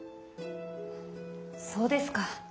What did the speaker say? そうですか。